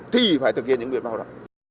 thì phải thực hiện những biện pháp đó